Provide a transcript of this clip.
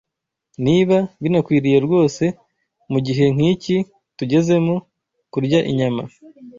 niba binakwiriye rwose mu gihe nk’iki tugezemo, kurya inyama